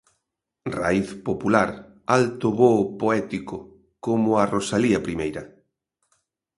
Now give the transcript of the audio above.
Raíz popular, alto voo poético; como a Rosalía primeira.